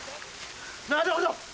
なるほど。